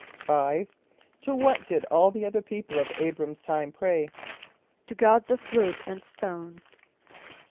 = =5.= To what did all the other people of [=A]´br[)a]m's time pray? =To gods of wood and stone.